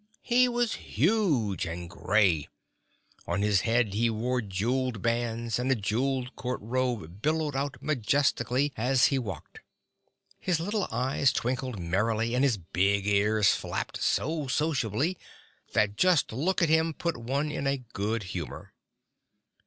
He was huge and gray. On his head he wore jeweled bands and a jeweled court robe billowed out majestically as he walked. His little eyes twinkled merrily and his big ears flapped so sociably, that just to look at him put one in a good humor.